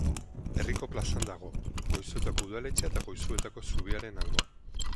Herriko plazan dago, Goizuetako udaletxea eta Goizuetako zubiaren alboan.